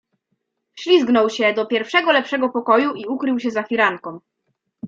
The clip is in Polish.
"Wślizgnął się do pierwszego lepszego pokoju i ukrył się za firanką."